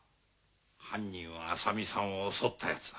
犯人は浅見さんを襲ったヤツだ。